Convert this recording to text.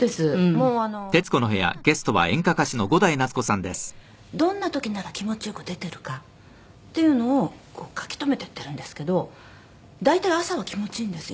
もうあのどんな時に出なくなるではなくてどんな時なら気持ち良く出てるかっていうのを書き留めていってるんですけど大体朝は気持ちいいんですよ